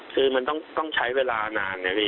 คือมันต้องใช้เวลานานไงพี่